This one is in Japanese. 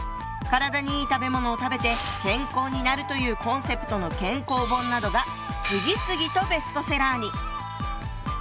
体にいい食べ物を食べて健康になるというコンセプトの健康本などが次々とベストセラーに！